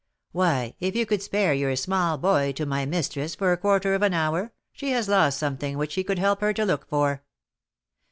"Why, if you could spare your 'small boy' to my mistress for a quarter of an hour, she has lost something which he could help her to look for."